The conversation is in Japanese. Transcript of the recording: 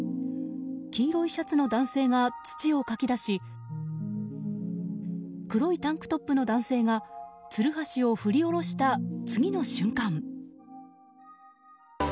黄色いシャツの男性が土をかき出し黒いタンクトップの男性がつるはしを振り下ろした次の瞬間。